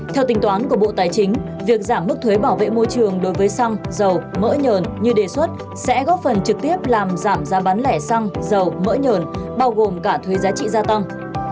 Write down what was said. theo tính toán của bộ tài chính việc giảm mức thuế bảo vệ môi trường đối với xăng dầu mỡ nhờn như đề xuất sẽ góp phần trực tiếp làm giảm giá bán lẻ xăng dầu mỡ nhờn bao gồm cả thuế giá trị gia tăng